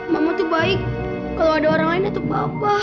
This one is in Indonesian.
mama tuh baik kalau ada orang lain itu bapak